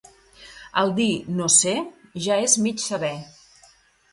El dir «no sé», ja és mig saber.